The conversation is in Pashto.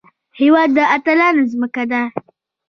هېواد د اتلانو ځمکه ده